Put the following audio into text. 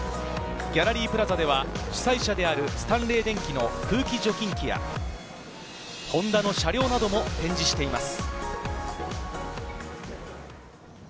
ギャラリープラザでは主催者であるスタンレー電気の空気除菌機や、ホンダの車両なども展示しています。